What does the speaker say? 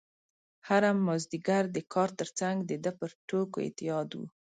هره مازدیګر د کار ترڅنګ د ده پر ټوکو اعتیاد و.